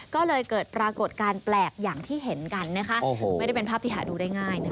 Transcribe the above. ก็เลยเกิดปรากฏการณ์แปลกอย่างที่เห็นกันนะคะไม่ได้เป็นภาพที่หาดูได้ง่ายนะคะ